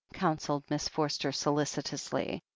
counselled Miss Forster solicitously.